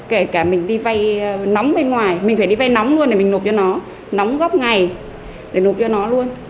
kể cả mình đi vay nóng bên ngoài mình phải đi vay nóng luôn để mình nộp cho nó nóng góc ngày để nộp cho nó luôn